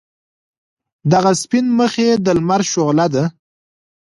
دغه سپین مخ یې د لمر شعله ده.